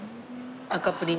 赤プリの。